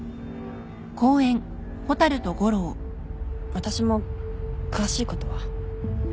私も詳しいことは。